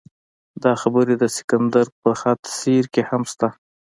دا خبرې د سکندر په خط سیر کې هم شته.